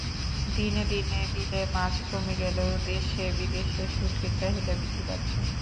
দিনে দিনে বিলে মাছ কমে গেলেও দেশে-বিদেশে শুঁটকির চাহিদা বৃদ্ধি পাচ্ছে।